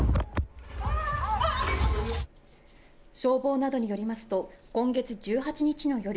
消防などによりますと今月１８日の夜